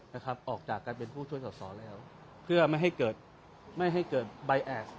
นะครับออกจากการเป็นผู้ช่วยสอสอแล้วเพื่อไม่ให้เกิดไม่ให้เกิดใบแอด